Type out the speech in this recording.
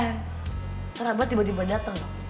ntar abah tiba tiba dateng